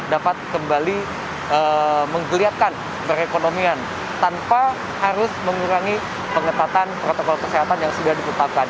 dapat kembali menggeliatkan perekonomian tanpa harus mengurangi pengetatan protokol kesehatan yang sudah ditetapkan